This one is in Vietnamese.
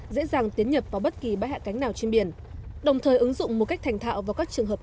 dễ dàng tiến nhập vào bất kỳ bãi hạ cánh nào trên biển đồng thời ứng dụng một cách thành thạo vào các trường hợp